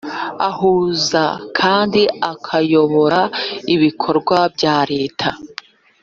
Ahuza kandi akayobora ibikorwa bya leta